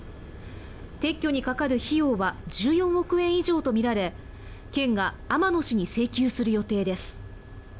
撤去にかかる費用は１４億円以上とみられ県が天野氏に請求する予定です。